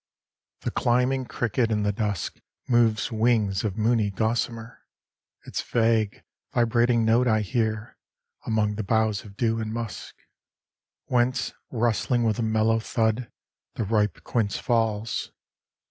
V The climbing cricket in the dusk Moves wings of moony gossamer; Its vague, vibrating note I hear Among the boughs of dew and musk, Whence, rustling with a mellow thud, The ripe quince falls.